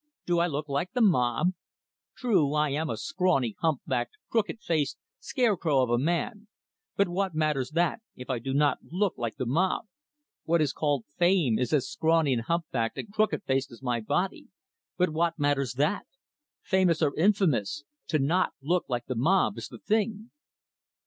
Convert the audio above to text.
Do I look like the mob? True, I am a scrawny, humpbacked crooked faced, scarecrow of a man but what matters that, if I do not look like the mob? What is called fame is as scrawny and humpbacked and crooked faced as my body but what matters that? Famous or infamous to not look like the mob is the thing."